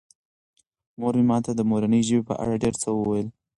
مور مې ماته د مورنۍ ژبې په اړه ډېر څه وویل.